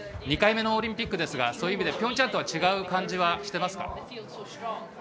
２回目のオリンピックですがそういう意味でピョンチャンとは違う感じはしてますか？